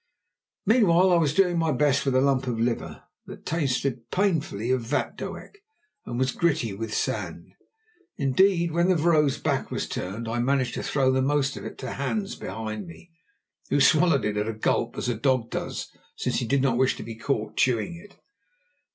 Meanwhile I was doing my best with the lump of liver, that tasted painfully of vatdoek and was gritty with sand. Indeed, when the vrouw's back was turned I managed to throw the most of it to Hans behind me, who swallowed it at a gulp as a dog does, since he did not wish to be caught chewing it.